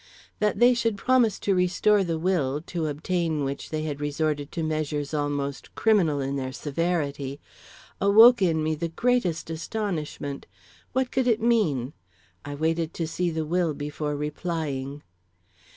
That they should promise to restore the will, to obtain which they had resorted to measures almost criminal in their severity, awoke in me the greatest astonishment. What could it mean? I waited to see the will before replying.